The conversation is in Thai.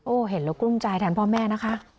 เห็นแล้วกลุ้มใจแทนพ่อแม่นะคะ